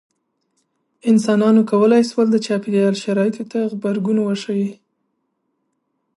انسانانو کولی شول د چاپېریال شرایطو ته غبرګون وښيي.